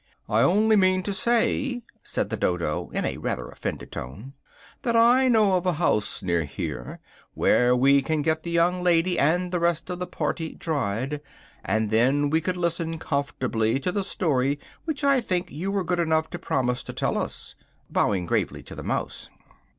"I only meant to say," said the Dodo in a rather offended tone, "that I know of a house near here, where we could get the young lady and the rest of the party dried, and then we could listen comfortably to the story which I think you were good enough to promise to tell us," bowing gravely to the mouse.